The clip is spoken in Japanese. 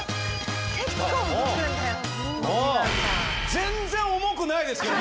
全然重くないですけどね